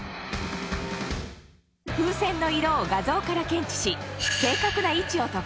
風船の色を画像から検知し正確な位置を特定。